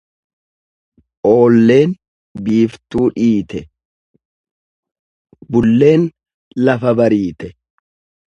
Oolleen biiftuu dhiite, bulleen lafa bariite.